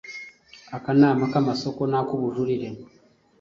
akanama k’amasoko n’ak’ubujurire,